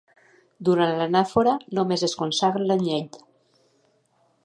Durant l'Anàfora, només es consagra l'Anyell.